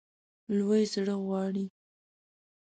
لوی زړه غواړي.